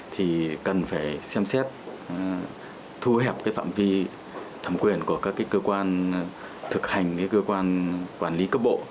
thì cần phải xem xét thu hẹp cái phạm vi thẩm quyền của các cơ quan thực hành cái cơ quan quản lý cấp bộ